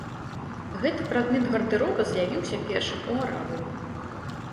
Гэты прадмет гардэроба з'явіўся першым у арабаў.